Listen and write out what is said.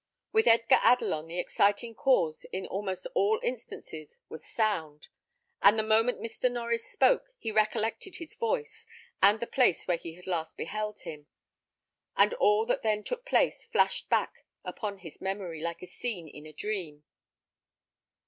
With Edgar Adelon the exciting cause, in almost all instances, was sound; and the moment Mr. Norries spoke, he recollected his voice, and the place where he had last beheld him; and all that then took place flashed back upon his memory like a scene in a dream.